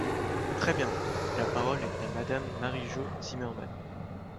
Très bien ! La parole est à Madame Marie-Jo Zimmermann.